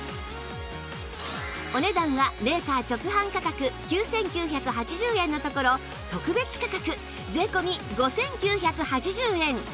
お値段はメーカー直販価格９９８０円のところ特別価格税込５９８０円